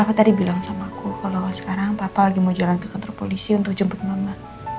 aku tadi bilang samaku kalau sekarang papa lagi mau jalan ke kantor polisi untuk jemput mama